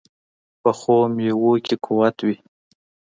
پخو میوو کې قوت وي